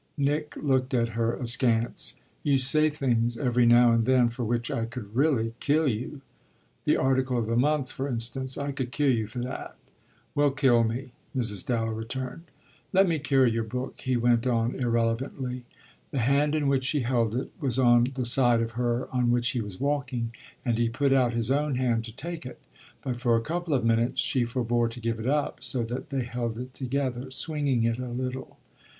Nick looked at her askance. "You say things every now and then for which I could really kill you. 'The article of the month,' for instance: I could kill you for that." "Well, kill me!" Mrs. Dallow returned. "Let me carry your book," he went on irrelevantly. The hand in which she held it was on the side of her on which he was walking, and he put out his own hand to take it. But for a couple of minutes she forbore to give it up, so that they held it together, swinging it a little.